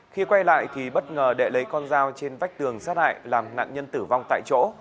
khi quay lại thì bất ngờ đệ lấy con dao trên vách tường sát hại làm nạn nhân tử vong tại chỗ